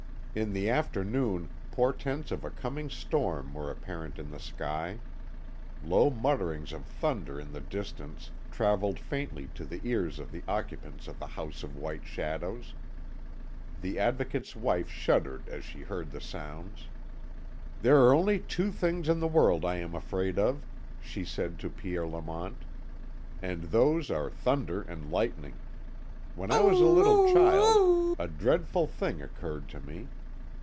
In the afternoon portents of a coming storm were apparent in the sky. Low mutterings of thunder in the distance travelled faintly to the ears of the occupants of the House of White Shadows. The Advocate's wife shuddered as she heard the sounds. "There are only two things in the world I am afraid of," she said to Pierre Lamont, "and those are thunder and lightning. When I was a little child a dreadful thing occurred to me.